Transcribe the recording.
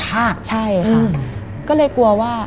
มันกลายเป็นรูปของคนที่กำลังขโมยคิ้วแล้วก็ร้องไห้อยู่